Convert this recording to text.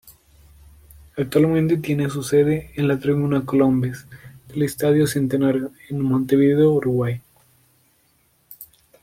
Actualmente tiene su sede en la Tribuna Colombes del Estadio Centenario, en Montevideo, Uruguay.